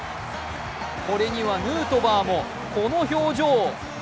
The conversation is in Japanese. これにはヌートバーもこの表情。